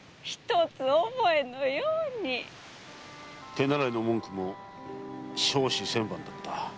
手習いの文句も「笑止千万」だった。